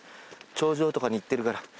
頂上とかに行ってるから。